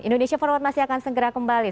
indonesia forward masih akan segera kembali